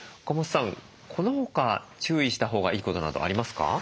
岡本さんこの他注意したほうがいいことなどありますか？